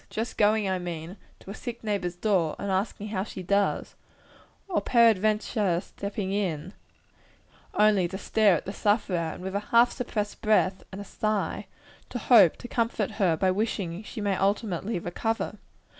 just going, I mean, to a sick neighbor's door, and asking how she does or peradventure stepping in, only to stare at the sufferer, and with a half suppressed breath and a sigh, to hope to comfort her by wishing she may ultimately recover?